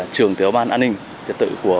trưởng tiểu ban an ninh trật tự của